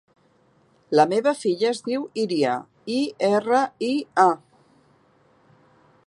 La meva filla es diu Iria: i, erra, i, a.